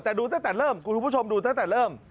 แต่ดูตั้งแต่เริ่มคุณผู้ชมดูตั้งแต่เริ่ม